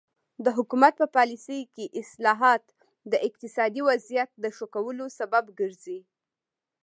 د حکومت په پالیسۍ کې اصلاحات د اقتصادي وضعیت د ښه کولو سبب ګرځي.